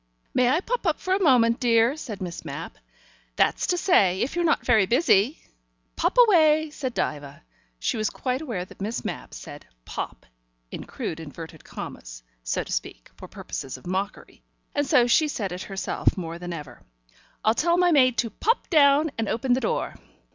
"May I pop up for a moment, dear?" said Miss Mapp. "That's to say if you're not very busy." "Pop away," said Diva. She was quite aware that Miss Mapp said "pop" in crude inverted commas, so to speak, for purposes of mockery, and so she said it herself more than ever. "I'll tell my maid to pop down and open the door."